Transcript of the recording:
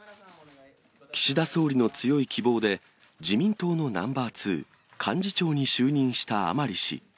岸田総理の強い希望で、自民党のナンバー２、幹事長に就任した甘利氏。